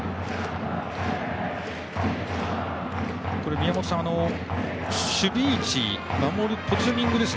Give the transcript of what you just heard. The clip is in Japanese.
宮本さん、守備位置守るポジショニング